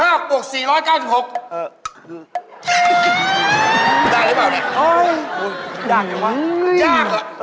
ยากเลยวะยากล่ะอุ๊ย